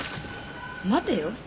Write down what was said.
待てよ。